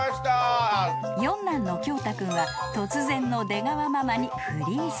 ［四男のきょうた君は突然の出川ママにフリーズ］